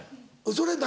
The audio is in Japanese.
それ何？